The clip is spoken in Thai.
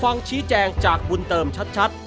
ฟังชี้แจงจากบุญเติมชัด